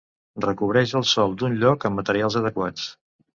Recobreix el sòl d'un lloc amb materials adequats.